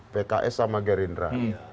pks sama gerindra